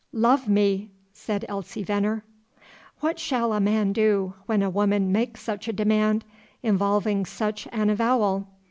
"Love me!" said Elsie Venner. What shall a man do, when a woman makes such a demand, involving such an avowal?